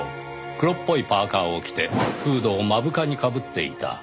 黒っぽいパーカを着てフードを目深にかぶっていた。